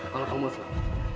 kalau kamu mau selamat